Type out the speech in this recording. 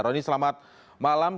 roni selamat malam